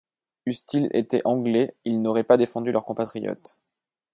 Eussent-ils été Anglais, ils n’auraient pas défendu leurs compatriotes.